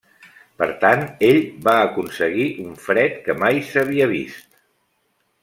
Per tant, ell va aconseguir un fred que mai s'havia vist.